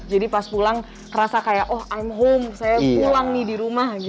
jadi pas pulang terasa kayak oh i m home saya pulang nih di rumah gitu ya